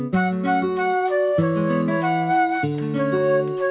gak ada enak remit